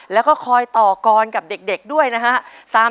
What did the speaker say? และคอยต่อกรกับเด็กด้วยนะครับ